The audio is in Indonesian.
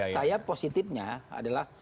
saya positifnya adalah